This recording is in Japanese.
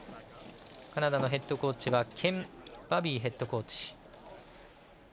カナダのヘッドコーチはケン・バビーヘッドコーチ。